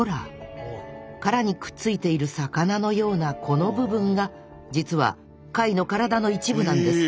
殻にくっついている魚のようなこの部分が実は貝の体の一部なんです。